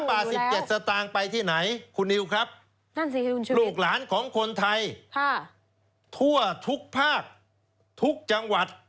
บาท๑๗สตางค์ไปที่ไหนคุณนิวครับลูกหลานของคนไทยทั่วทุกภาคทุกจังหวัด